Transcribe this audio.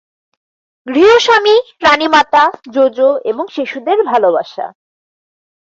গৃহস্বামী, রাণীমাতা, Jo Jo এবং শিশুদের ভালবাসা।